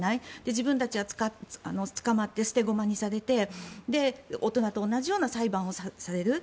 自分たちは捕まって捨て駒にされて大人と同じような裁判をされる。